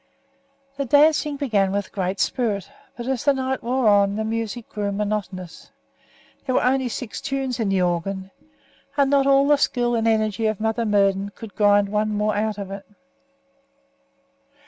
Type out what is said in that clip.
The dancing began with great spirit, but as the night wore on the music grew monotonous. There were only six tunes in the organ, and not all the skill and energy of Mother Murden could grind one more out of it.